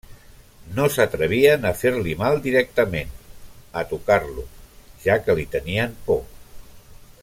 No s'atrevien a fer-li mal directament, a tocar-lo, ja que li tenien por.